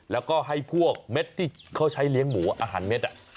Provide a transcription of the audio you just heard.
แล้วก็ให้พวกเม็ดที่เขาใช้เลี้ยงหมูอาหารเม็ด